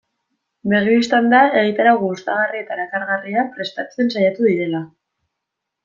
Begi bistan da egitarau gustagarri eta erakargarria prestatzen saiatu direla.